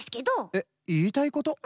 えっいいたいこと？